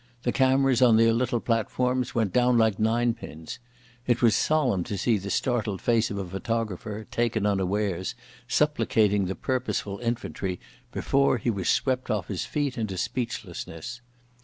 The cameras on their little platforms went down like ninepins. It was solemn to see the startled face of a photographer, taken unawares, supplicating the purposeful infantry, before he was swept off his feet into speechlessness.